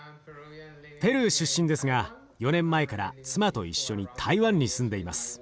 ペルー出身ですが４年前から妻と一緒に台湾に住んでいます。